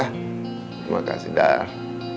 terima kasih dar